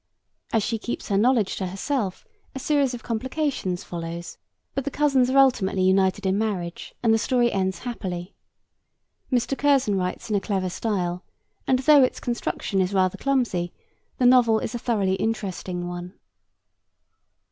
As she keeps her knowledge to herself, a series of complications follows, but the cousins are ultimately united in marriage and the story ends happily. Mr. Curzon writes in a clever style, and though its construction is rather clumsy the novel is a thoroughly interesting one.